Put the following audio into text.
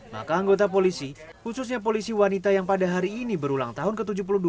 maka anggota polisi khususnya polisi wanita yang pada hari ini berulang tahun ke tujuh puluh dua